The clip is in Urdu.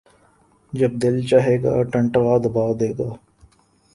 جب دل چاھے گا ، ٹنٹوا دبا دے گا